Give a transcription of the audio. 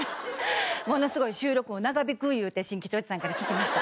ものすごい収録も長引くいうて新吉おじさんから聞きました。